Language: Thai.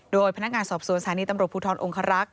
โดยพนักงานสอบสวนสถานีตำรวจภูทรองคารักษ